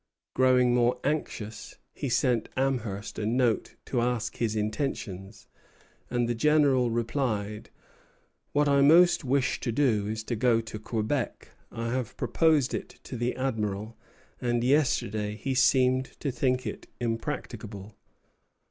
Growing more anxious, he sent Amherst a note to ask his intentions; and the General replied, "What I most wish to do is to go to Quebec. I have proposed it to the Admiral, and yesterday he seemed to think it impracticable."